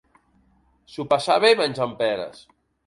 S'ho passà bé menjant peres.